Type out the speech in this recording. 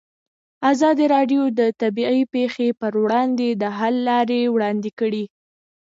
ازادي راډیو د طبیعي پېښې پر وړاندې د حل لارې وړاندې کړي.